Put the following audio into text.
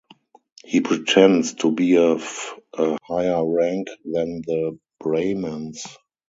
He pretends to be of a higher rank than the Brahmans.